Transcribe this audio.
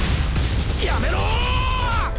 やめろ！